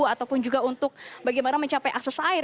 ataupun juga untuk bagaimana mencapai akses air